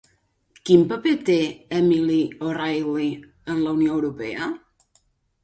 Quin paper té Emily OReilly en la Unió Europea?